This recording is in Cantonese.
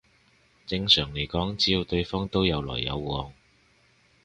正常嚟講只要對方都有來有往